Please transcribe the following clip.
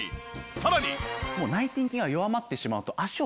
さらに。